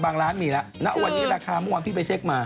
ร้านมีแล้วณวันนี้ราคาเมื่อวานพี่ไปเช็คมา